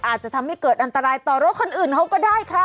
อาจจะทำให้เกิดอันตรายต่อรถคนอื่นเขาก็ได้ค่ะ